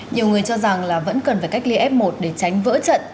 nhiều người cho rằng là vẫn cần phải cách ly f một để tránh vỡ trận